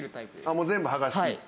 もう全部はがしきって？